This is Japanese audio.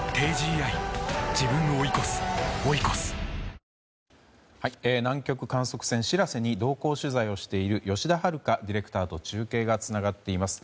本麒麟南極観測船「しらせ」に同行取材をしている吉田遥ディレクターと中継がつながっています。